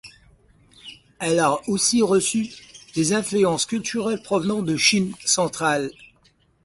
Elle a aussi reçu des influences culturelles provenant de Chine centrale.